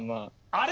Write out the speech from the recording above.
あれ？